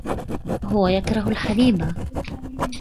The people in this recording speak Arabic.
هو يكره الحليب.